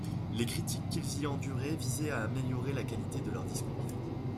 Les critiques qu'ils y enduraient visaient à améliorer la qualité de leurs discours.